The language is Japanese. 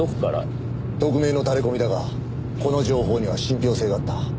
匿名のタレコミだがこの情報には信憑性があった。